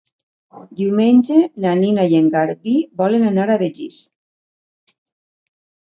Diumenge na Nina i en Garbí volen anar a Begís.